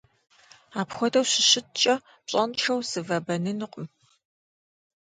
Апхуэдэу щыщыткӀэ, пщӀэншэу сывэбэнынукъым.